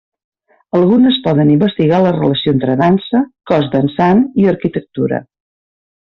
Algunes poden investigar la relació entre dansa, cos dansant i arquitectura.